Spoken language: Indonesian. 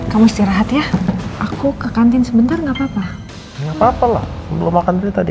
kamu istirahat ya aku ke kantin sebentar nggak papa papa lah belum makan tadi